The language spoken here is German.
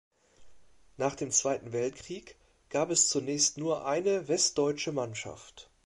Nach dem Zweiten Weltkrieg gab es zunächst nur eine westdeutsche Mannschaft.